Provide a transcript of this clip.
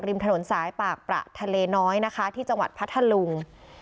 ริมถนนสายปากประทะเลน้อยนะคะที่จังหวัดพัทธลุง